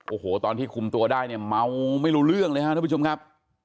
โอ้โหตอนที่คุมตัวได้เนี่ยเมาไม่รู้เรื่องเลยครับทุกผู้ชมครับ